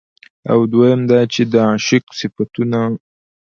او دويم دا چې د عاشق د صفتونو